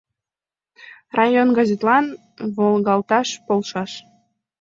Район газетлан волгалташ полшаш